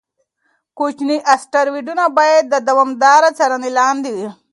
کوچني اسټروېډونه باید د دوامداره څارنې لاندې وي.